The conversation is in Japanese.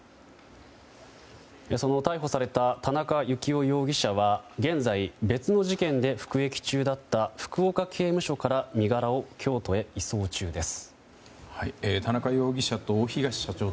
その逮捕された田中幸雄容疑者は現在、別の事件で服役中だった福岡刑務所から身柄を、京都へ移送中です。